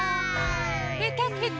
ぺたぺた。